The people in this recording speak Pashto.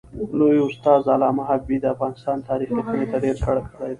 لوی استاد علامه حبیبي د افغانستان تاریخ لیکني ته ډېر کار کړی دی.